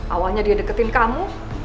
awalnya dia deketin kamu